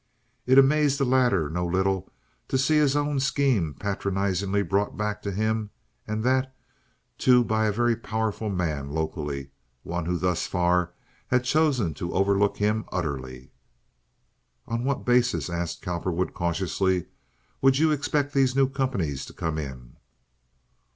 It amazed the latter no little to see his own scheme patronizingly brought back to him, and that, too, by a very powerful man locally—one who thus far had chosen to overlook him utterly. "On what basis," asked Cowperwood, cautiously, "would you expect these new companies to come in?"